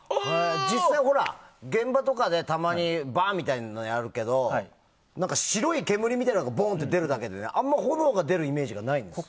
実際、現場とかでバーンってやるけど白い煙みたいなのがボーンと出るだけであんまり炎が出るイメージがないんですけど。